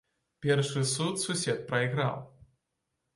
Першы суд сусед прайграў.